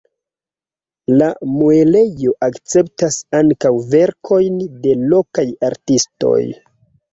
La muelejo akceptas ankaŭ verkojn de lokaj artistoj.